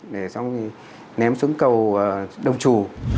để xong ném xuống cầu đông chủ